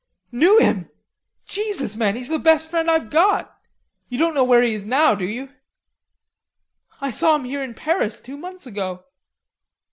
"Knew him! Jesus, man, he's the best friend I've got.... Ye don't know where he is now, do you?" "I saw him here in Paris two months ago."